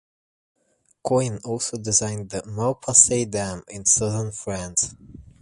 Coyne also designed the Malpasset Dam in Southern France.